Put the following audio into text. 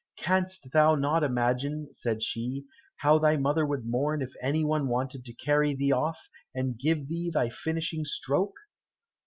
"Canst thou not imagine," said she, "how thy mother would mourn if any one wanted to carry thee off, and give thee thy finishing stroke?"